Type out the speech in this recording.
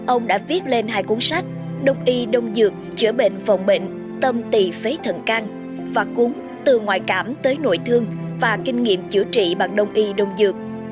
ông đã viết lên hai cuốn sách đồng y đồng dược chữa bệnh phòng bệnh tâm tỳ phế thần can và cuốn từ ngoại cảm tới nội thương và kinh nghiệm chữa trị bằng đồng y đồng dược